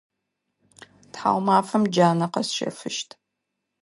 Тхьаумафэм джанэ къэсщэфыщт.